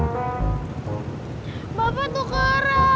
bapak tuh keren